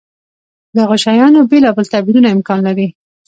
دغو شیانو بېلابېل تعبیرونه امکان لري.